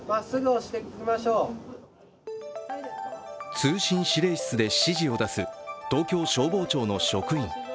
通信指令室で指示を出す東京消防庁の職員。